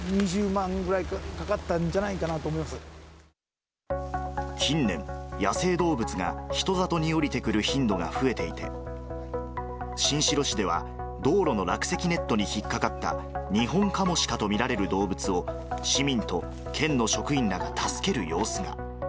２０万ぐらいかかったんじゃ近年、野生動物が人里に下りてくる頻度が増えていて、新城市では、道路の落石ネットに引っ掛かったニホンカモシカと見られる動物を、市民と県の職員らが助ける様子が。